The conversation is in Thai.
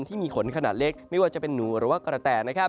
ที่มีขนขนาดเล็กไม่ว่าจะเป็นหนูหรือว่ากระแต